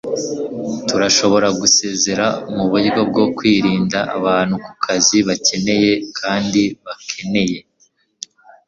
Turashobora gusezera muburyo bwo kurinda abantu kukazi bakeneye kandi bakeneye